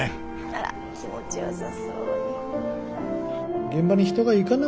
あら気持ちよさそうに。